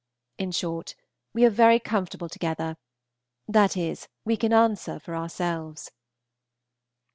In short, we are very comfortable together; that is, we can answer for ourselves.